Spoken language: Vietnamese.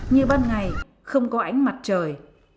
như ban ngày không có ánh mặt trời